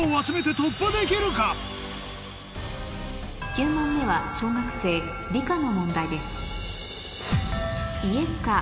９問目は小学生理科の問題です